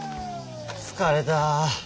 疲れた。